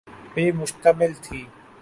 پہ مشتمل تھی۔